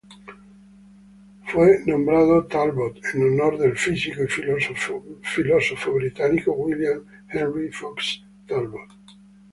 Fue nombrado Talbot en honor del físico y filósofo británico William Henry Fox Talbot.